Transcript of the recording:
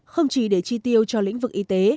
không chỉ để chi tiêu cho lĩnh vực y tế